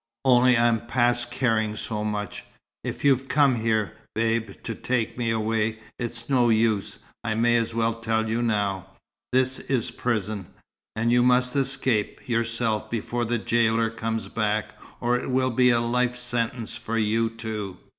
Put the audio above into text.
Only I'm past caring so much. If you've come here, Babe, to take me away, it's no use. I may as well tell you now. This is prison. And you must escape, yourself, before the gaoler comes back, or it will be a life sentence for you, too."